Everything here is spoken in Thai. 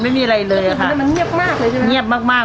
ไม่มีอะไรเลยค่ะแล้วมันเงียบมากเลยใช่ไหมเงียบมากมาก